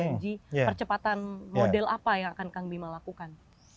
dan dijanji percepatan model apa yang akan kang bima lakukan